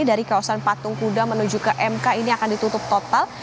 dari kawasan patung kuda menuju ke mk ini akan ditutup total